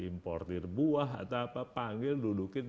importer buah atau apa panggil dudukin